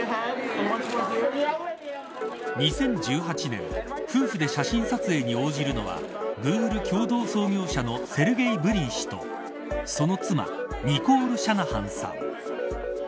２０１８年、夫婦で写真撮影に応じるのはグーグル共同創業者のセルゲイ・ブリン氏と、その妻ニコール・シャナハンさん。